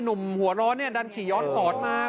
หนุ่มหัวร้อนดันขี่ย้อนสอนมา